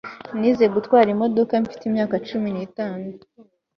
Nize gutwara imodoka mfite imyaka cumi nitanu